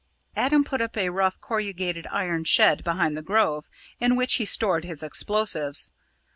Adam put up a rough corrugated iron shed behind the Grove, in which he stored his explosives.